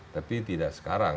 tapi tidak sekarang